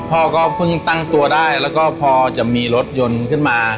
พ่อก็เพิ่งตั้งตัวได้แล้วก็พอจะมีรถยนต์ขึ้นมา